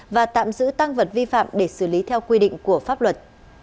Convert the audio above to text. và tạm giữ tăng vật vi phạm để xử lý theo quy định của pháp luật